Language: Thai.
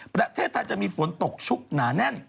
ประเทศไทยจะมีฝนตกชุกหนาแน่น